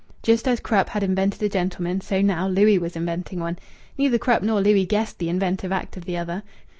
Just as Krupp had invented a gentleman, so now Louis was inventing one. Neither Krupp nor Louis guessed the inventive act of the other.